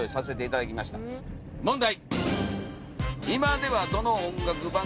問題。